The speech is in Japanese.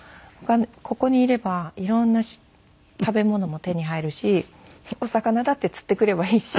ここにいれば色んな食べ物も手に入るしお魚だって釣ってくればいいし。